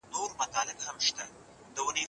د غوسې انګېزې پېژندل او ترې لیرې کېدل اړین دي.